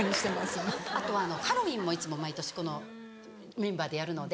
あとはハロウィーンもいつも毎年このメンバーでやるので。